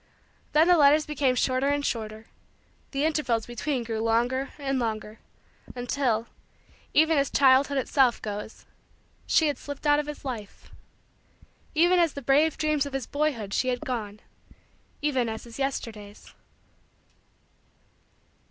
Then the letters became shorter and shorter; the intervals between grew longer and longer; until, even as childhood itself goes, she had slipped out of his life. Even as the brave dreams of his boyhood she had gone even as his Yesterdays.